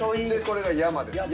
これが山です。